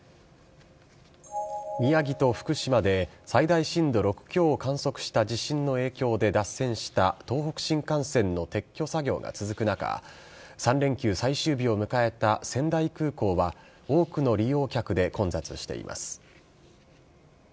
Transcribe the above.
宮城と福島で最大震度６強を観測した地震の影響で脱線した東北新幹線の撤去作業が続く中、３連休最終日を迎えた仙台空港は、多くの利用客で混雑しています。